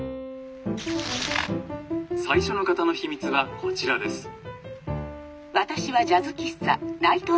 「最初の方の秘密はこちらです」。